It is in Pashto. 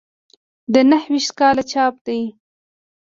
د نهه ویشت کال چاپ دی.